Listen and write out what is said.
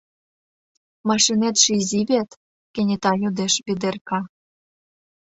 — Машинетше изи вет? — кенета йодеш Ведерка.